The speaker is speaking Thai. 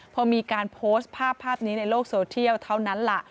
พอมีการโพสต์ภาพภาพนี้ในโลกโซเทียลเท่านั้นล่ะ